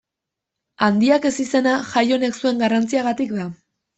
Handiak ezizena, jai honek zuen garrantziagatik da.